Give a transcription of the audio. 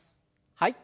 はい。